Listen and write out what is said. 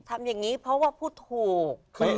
ทำยังไงเพราะว่าพูดถูก